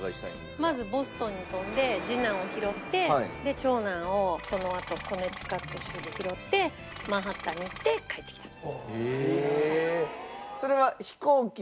まずボストンに飛んで次男を拾って長男をそのあとコネティカット州で拾ってマンハッタンに行って帰ってきた。